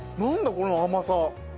この甘さ。